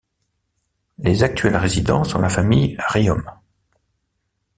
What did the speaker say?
Les actuels résidents sont la famille Riom.